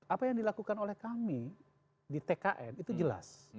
apa yang dilakukan oleh kami di tkn itu jelas